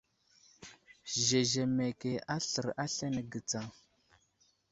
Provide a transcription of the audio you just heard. Zezemeke aslər aslane ge tsa.